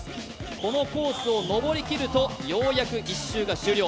このコースを上りきると、ようやく１週が終了。